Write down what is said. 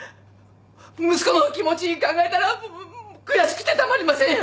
息子の気持ち考えたら悔しくてたまりませんよ。